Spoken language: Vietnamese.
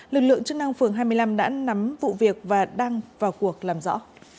lực lượng chức năng phường hai mươi năm đã nắm vụ việc và đang vào cuộc làm rõ